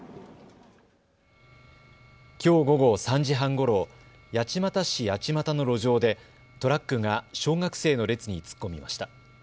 きょう午後３時半ごろ、八街市八街の路上でトラックが小学生の列に突っ込みました。